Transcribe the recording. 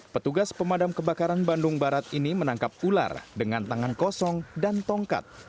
petugas pemadam kebakaran bandung barat ini menangkap ular dengan tangan kosong dan tongkat